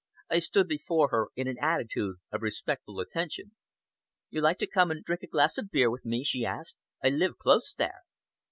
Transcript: I stood before her in an attitude of respectful attention. "You like to come and drink a glass of beer with me?" she asked. "I live close there."